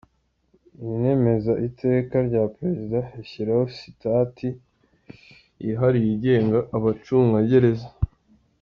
Inemeza Iteka rya Perezida rishyiraho Sitati yihariye igenga Abacungagereza.